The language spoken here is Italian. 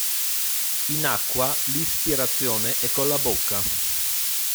In acqua l'ispirazione è con la bocca.